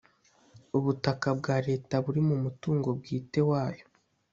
Ubutaka bwa Leta buri mu mutungo bwite wayo